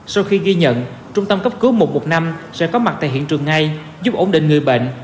sau khi ghi nhận trung tâm cấp cứu một trăm một mươi năm sẽ có mặt tại hiện trường ngay giúp ổn định người bệnh